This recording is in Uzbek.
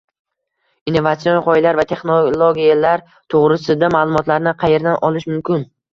innovatsion g’oyalar va texnologiyalar to’g’risida ma’lumotlarni qayerdan olish mumkin?